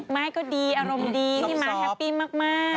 ไม้ก็ดีอารมณ์ดีพี่ม้าแฮปปี้มาก